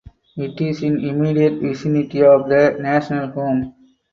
It is in immediate vicinity of the National Home.